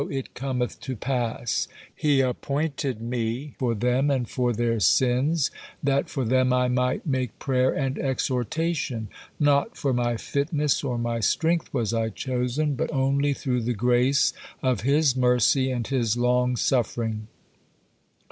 it cometh to pass. He appointed me for them and for their sins, that for them I might make prayer and exhortation. Not for my fitness or my strength was I chosen, but only through the grace of His mercy and His long suffering.